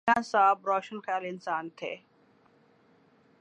جناح صاحب روشن خیال انسان تھے۔